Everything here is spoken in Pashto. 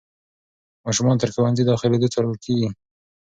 ماشومان تر ښوونځي داخلېدو څارل کېږي.